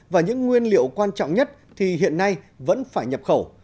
và những nguyên liệu quan trọng nhất thì hiện nay vẫn phải nhập khẩu